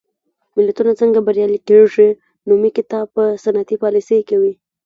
ملتونه څنګه بریالي کېږي؟ نومي کتاب په صنعتي پالېسۍ کوي.